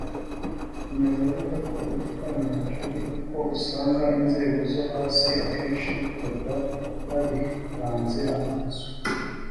Akomeza avuga ko igitangaje ari uko usanga inzego zo hasi akenshi bikorwa babihanze amaso